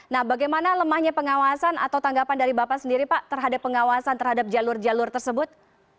nah bagaimana lemahnya pengawasan atau tanggapan dari bapak sendiri pak terhadap pengawasan terhadap jalur jalur tersebut